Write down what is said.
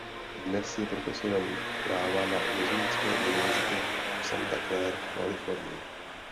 Dnes je profesorem práva na jezuitské univerzitě v Santa Clara v Kalifornii.